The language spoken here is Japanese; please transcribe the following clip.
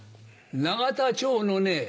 永田町のね